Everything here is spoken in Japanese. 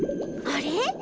あれ？